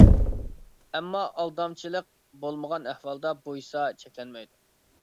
ئەمما ئالدامچىلىق بولمىغان ئەھۋالدا بويىسا چەكلەنمەيدۇ.